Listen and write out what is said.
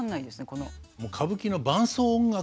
この。